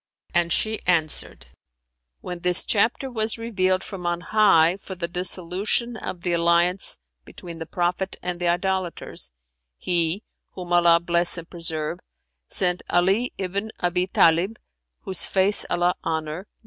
and she answered, "When this chapter was revealed from on high for the dissolution of the alliance between the Prophet and the idolaters, He (whom Allah bless and preserve!) sent Ali[FN#368] ibn Abν Tαlib (whose face Allah honour!)